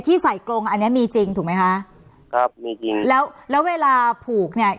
ใส่กรงอันเนี้ยมีจริงถูกไหมคะครับมีจริงแล้วแล้วเวลาผูกเนี้ย